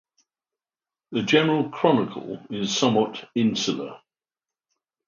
The general "Chronicle" is somewhat insular.